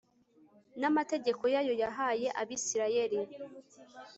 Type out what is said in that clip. n'amategeko yayo yahaye abisirayeli